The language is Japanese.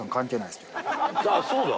あっそうだ。